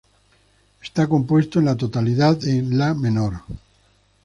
Está compuesto en la tonalidad de La menor.